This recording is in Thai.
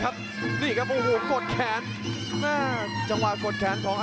อันวัดเบียดเข้ามาอันวัดโดนชวนแรกแล้ววางแค่ขวาแล้วเสียบด้วยเขาซ้าย